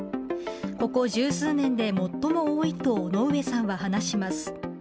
ここ十数年で最も多いと小ノ上さんは話します。